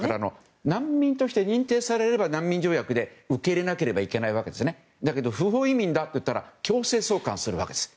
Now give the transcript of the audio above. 難民として認定されれば難民条約で受け入れなければならないわけですが不法移民だといわれれば強制送還されるわけです。